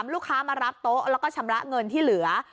ลูกค้ามารับโต๊ะแล้วก็ชำระเงินที่เหลือ